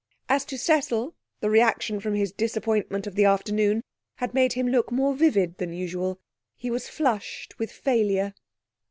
As to Cecil, the reaction from his disappointment of the afternoon had made him look more vivid than usual. He was flushed with failure.